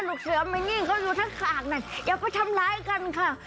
ลูกเสือมานิ่งเขาอยู่ทั้งขากนั่นอย่าไปทำร้ายกันค่ะ